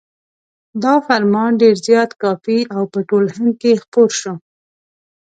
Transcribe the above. دا فرمان ډېر زیات کاپي او په ټول هند کې خپور شو.